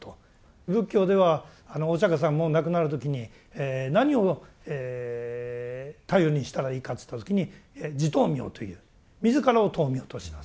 仏教ではお釈さんも亡くなる時に何を頼りにしたらいいかといった時に「自灯明」という自らを灯明としなさい。